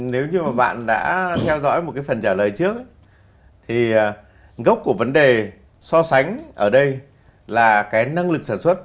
nếu như mà bạn đã theo dõi một cái phần trả lời trước thì gốc của vấn đề so sánh ở đây là cái năng lực sản xuất